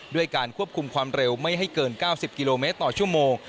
ด้วยการควบคุมความเร็วไม่ให้เกิน๙๐กิโลเมตรต่อชั่วโมง